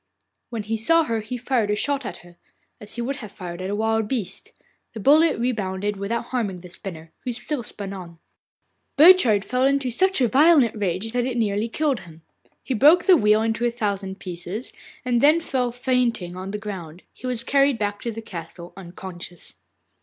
When he saw her he fired a shot at her, as he would have fired at a wild beast. The bullet rebounded without harming the spinner, who still spun on. Burchard fell into such a violent rage that it nearly killed him. He broke the wheel into a thousand pieces, and then fell fainting on the ground. He was carried back to the castle, unconscious.